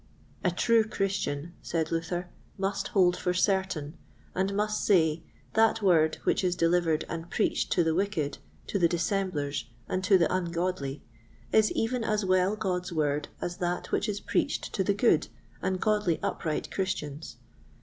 "A true Christian," said Luther, "must hold for certain, and must say, That Word which is delivered and preached to the wicked, to the dissemblers, and to the ungodly, is even as well God's Word as that which is preached to the good and godly upright Christians.